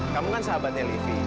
kamu kan sahabatnya livi